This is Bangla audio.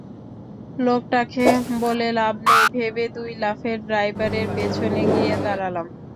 লোকটাকে বলে লাভ নেই ভেবে দুই লাফে ড্রাইভারের পেছনে গিয়ে দাঁড়ালাম।